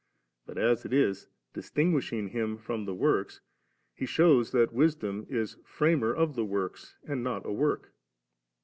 But, as it is, dis tinguishing Him from the works, He shews that Wisdom is Framer of the works, and not a work.